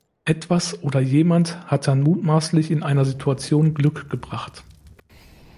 Etwas oder jemand hat dann mutmaßlich in einer Situation Glück gebracht.